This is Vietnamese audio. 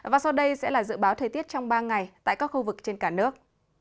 và sau đây sẽ là dự báo thời tiết trong ba ngày tại các khu vực trên cả nước